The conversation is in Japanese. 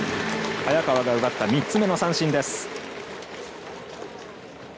早川が奪った３つ目の三振です。